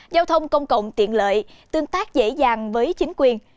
giao thông công cộng tiện lợi tương tác dễ dàng với chính quyền